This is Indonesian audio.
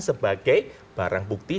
sebagai barang bukti